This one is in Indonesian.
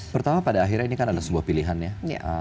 pertama pada akhirnya ini kan ada sebuah pilihan ya